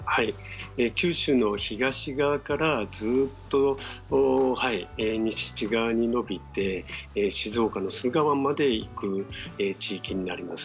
九州の東側からずっと西側に延びて静岡の駿河湾まで行く地域になります。